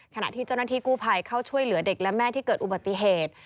ขณะที่เจ้าหน้าที่กู้ภัยเข้าช่วยเหลือเด็กและแม่ที่เกิดอุบัติเหตุ